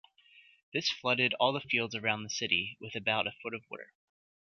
This flooded all the fields around the city with about a foot of water.